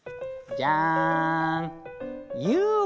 じゃん。